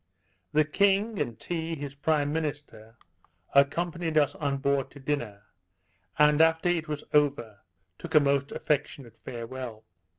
The king, and Tee, his prime minister, accompanied us on board to dinner; and after it was over, took a most affectionate farewell.